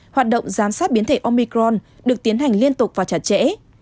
hoạt động giám sát biến thể omicron được tiến hành liên tục và chặt chẽ